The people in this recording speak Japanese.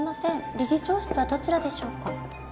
理事長室はどちらでしょうか？